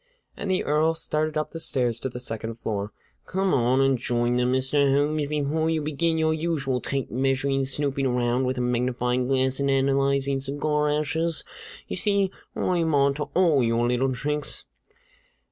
And the Earl started up the stairs to the second floor. "Come on up and join them, Mr. Holmes, before you begin your usual tape measuring, snooping around with a magnifying glass, and analyzing cigar ashes! You see, I'm on to all your little tricks."